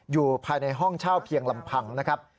อยู่ภายในห้องเช่าเพียงลำพังนะครับ